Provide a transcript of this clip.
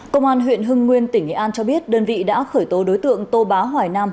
công an huyện hưng nguyên tỉnh nghệ an cho biết đơn vị đã khởi tố đối tượng tô bá hoài nam